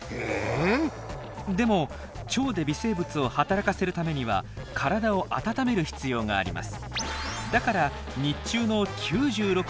でも腸で微生物を働かせるためには体を温める必要があります。